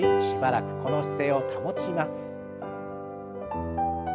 しばらくこの姿勢を保ちます。